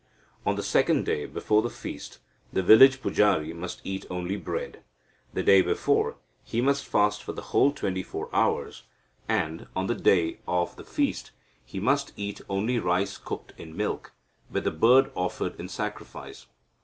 On the second day before the feast, the village pujari must eat only bread. The day before, he must fast for the whole twenty four hours, and, on the day of the feast, he must eat only rice cooked in milk, with the bird offered in sacrifice.